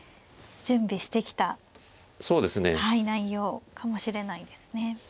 準備してきた内容かもしれないですね。